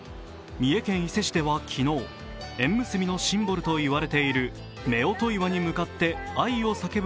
三重県伊勢市では昨日、縁結びのシンボルと言われている夫婦岩に向かって「愛を叫ぶ」